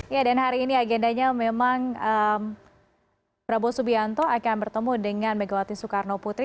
ya dan hari ini agendanya memang prabowo subianto akan bertemu dengan megawati soekarno putri